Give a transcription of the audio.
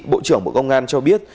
bộ trưởng bộ công an cho biết